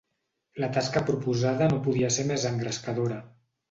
La tasca proposada no podia ser més engrescadora.